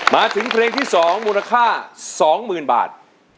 มาถึงเพลงที่๒มูลค่า๒๐๐๐บาท